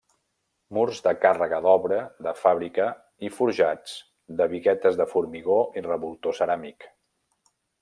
Murs de càrrega d'obra de fàbrica i forjats de biguetes de formigó i revoltó ceràmic.